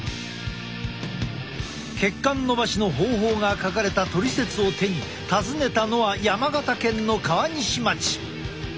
血管のばしの方法が書かれたトリセツを手に訪ねたのは山形県の川西町。